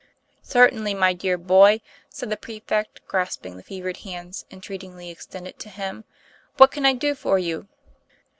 " Certainly, my dear boy," said the prefect, grasp ing the fevered hands entreatingly extended to him, u what can I do for you?"